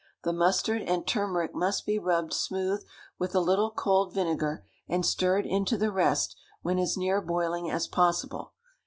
The mustard and turmeric must be rubbed smooth with a little cold vinegar, and stirred into the rest when as near boiling as possible.